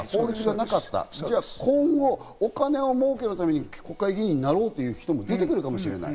法律がなかった、今後、お金儲けのために国会議員になろうという人も出てくるかもしれない。